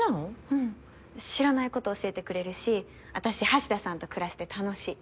うん知らないこと教えてくれるし私橋田さんと暮らせて楽しい。